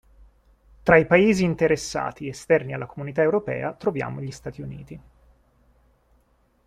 Tra i paesi interessati esterni alla Comunità Europea troviamo gli Stati Uniti.